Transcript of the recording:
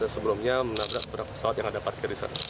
sebelumnya menabrak berapa pesawat yang ada parkir di sana